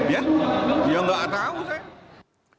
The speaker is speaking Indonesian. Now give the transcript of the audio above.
ya ya nggak tahu saya